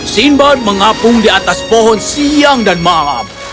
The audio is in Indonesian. sinbad mengapung di atas pohon siang dan malam